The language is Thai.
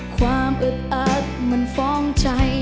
ความอึดอัดมันฟ้องใจ